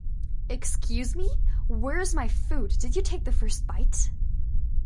Excuse me, where's my food? Did you take the first bite?